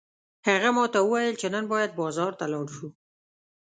هغه ماته وویل چې نن باید بازار ته لاړ شو